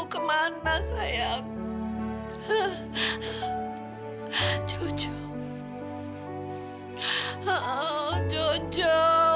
kita harus cari